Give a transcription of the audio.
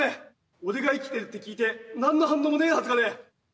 俺が生きてるって聞いて何の反応もねえはずがねえ。